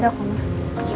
ada kok mah